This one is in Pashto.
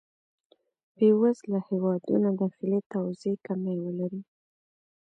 بې وزله هېوادونه داخلي توزېع کمی ولري.